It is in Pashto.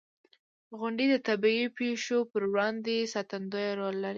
• غونډۍ د طبعي پېښو پر وړاندې ساتندوی رول لري.